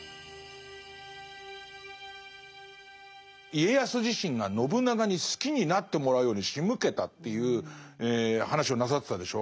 家康自身が信長に好きになってもらうようにしむけたという話をなさってたでしょう。